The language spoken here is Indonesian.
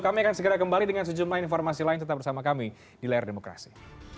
kami akan segera kembali dengan sejumlah informasi lain tetap bersama kami di layar demokrasi